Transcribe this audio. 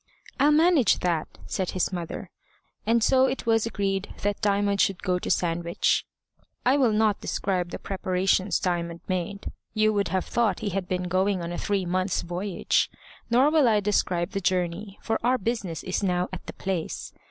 "I'll manage that," said his mother; and so it was agreed that Diamond should go to Sandwich. I will not describe the preparations Diamond made. You would have thought he had been going on a three months' voyage. Nor will I describe the journey, for our business is now at the place.